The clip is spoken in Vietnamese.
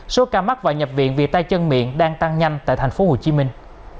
số ca mắc vào nhập viện vì tai chân miệng đang tăng nhanh tại thành phố hồ chí minh